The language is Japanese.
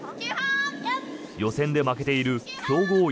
予選で負けている強豪